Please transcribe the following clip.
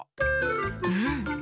うん。